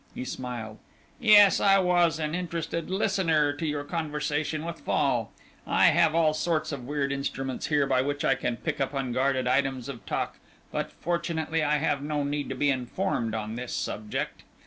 He smiled. "Yes, I was an interested listener to your conversation with Fall. I have all sorts of weird instruments here by which I can pick up unguarded items of talk, but fortunately I have no need to be informed on this subject.